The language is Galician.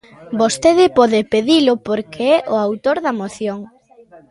Vostede pode pedilo porque é o autor da moción.